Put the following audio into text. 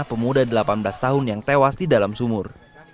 pemuda delapan belas tahun yang tewas di dalam sumur